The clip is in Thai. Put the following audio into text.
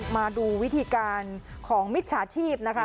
มาดูวิธีการของมิจฉาชีพนะคะ